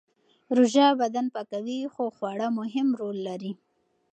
روژه بدن پاکوي خو خواړه مهم رول لري.